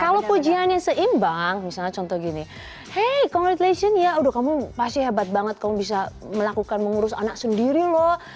kalau pujiannya seimbang misalnya contoh gini hey communitation ya udah kamu pasti hebat banget kamu bisa melakukan mengurus anak sendiri loh